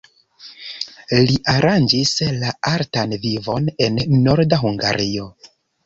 Li aranĝis la artan vivon en Norda Hungario.